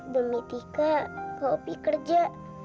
demi tika kak opi kerja